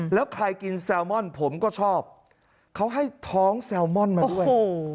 แล้วใครกินแซลมอนผมก็ชอบเขาให้ท้องแซลมอนมาด้วย